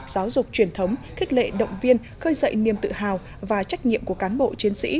giáo dục truyền thống khích lệ động viên khơi dậy niềm tự hào và trách nhiệm của cán bộ chiến sĩ